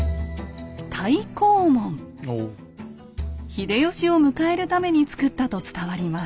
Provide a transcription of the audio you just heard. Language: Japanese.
秀吉を迎えるために作ったと伝わります。